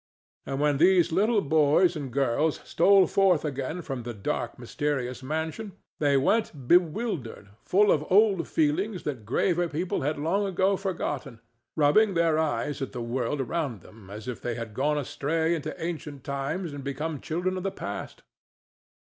And when these little boys and girls stole forth again from the dark, mysterious mansion, they went bewildered, full of old feelings that graver people had long ago forgotten, rubbing their eyes at the world around them as if they had gone astray into ancient times and become children of the past.